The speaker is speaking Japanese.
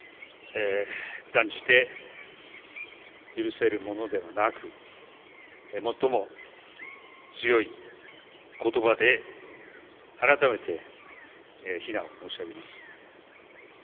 断じて許せるものではなく最も強い言葉で改めて非難を申し上げます。